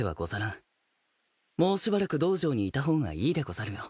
もうしばらく道場にいた方がいいでござるよ。